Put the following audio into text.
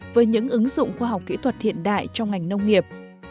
với những ứng dụng khoa học kỹ thuật hiện đại trong ngành nông nghiệp